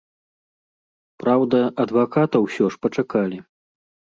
Праўда, адваката ўсё ж пачакалі.